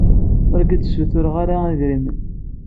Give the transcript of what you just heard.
Ur ak-d-ssutreɣ ara idrimen.